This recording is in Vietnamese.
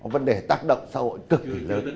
vấn đề tác động xã hội cực kỳ lớn